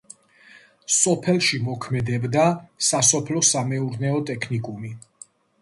სოფელში მოქმედებდა სასოფლო-სამეურნეო ტექნიკუმი.